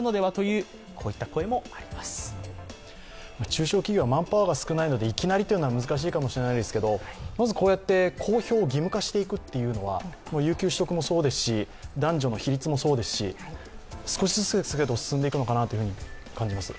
中小企業はマンパワーが少ないのでいきなりというのは難しいかもしれないですけどまずこうやって公表を義務化していくというのは有休取得もそうですし、男女の比率もそうですし少しずつですが、進んでいくのかなと感じます。